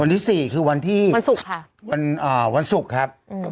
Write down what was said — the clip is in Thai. ที่สี่คือวันที่วันศุกร์ค่ะวันอ่าวันศุกร์ครับ